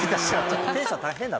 テンション変だ。